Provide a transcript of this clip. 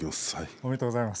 おめでとうございます。